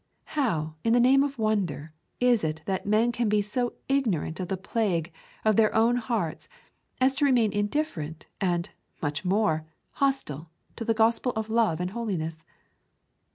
How, in the name of wonder, is it that men can be so ignorant of the plague of their own hearts as to remain indifferent, and, much more, hostile, to the gospel of love and holiness?